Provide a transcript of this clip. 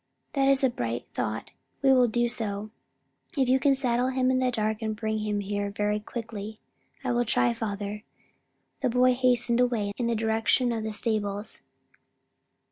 "That is a bright thought; we will do so, if you can saddle him in the dark and bring him here very quietly." "I'll try, father," and the boy hastened away in the direction of the stables.